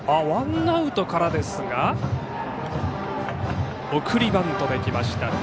ワンアウトからですが送りバントできました。